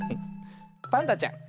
パンダちゃん